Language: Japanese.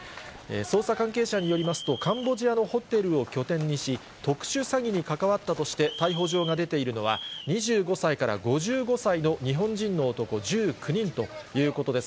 捜査関係者によりますと、カンボジアのホテルを拠点にし、特殊詐欺に関わったとして逮捕状が出ているのは、２５歳から５５歳の日本人の男１９人ということです。